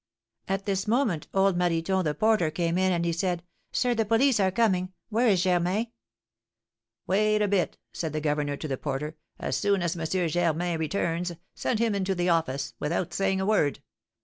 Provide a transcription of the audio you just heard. At this moment old Marriton, the porter, came in, and he said, 'Sir, the police are coming; where is Germain?' 'Wait a bit,' said the governor to the porter; 'as soon as M. Germain returns, send him into the office, without saying a word.